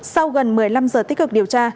sau gần một mươi năm giờ tích cực điều tra